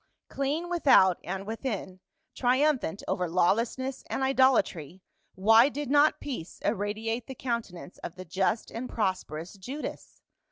Clean without and within, triumphant over lawlessness and idolatry, why did not peace irradiate the countenance of the just and pros perous Judas